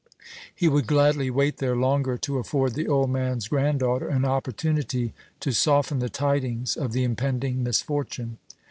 He would gladly wait there longer to afford the old man's granddaughter an opportunity to soften the tidings of the impending misfortune.